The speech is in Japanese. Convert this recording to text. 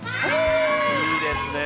いいですね。